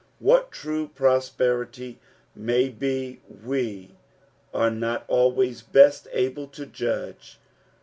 What true prosperity may be we are not always best able to judge.